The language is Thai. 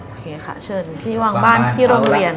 โอเคค่ะเชิญพี่วางบ้านที่โรงเรียน